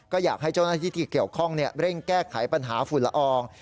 ก็อยากให้เจ้าหน้าที่ที่เกี่ยวข้องเร่งแก้ไขปัญหาฝุ่นละออง